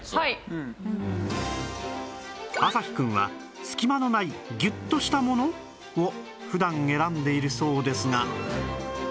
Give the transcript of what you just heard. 朝日くんは隙間のないギュッとしたもの？を普段選んでいるそうですが